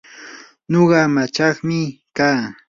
nuqa amachaqmi kaa.